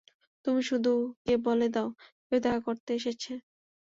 তুমি শুধু গিয়ে বলে দাও কেউ দেখা করতে এসেছে।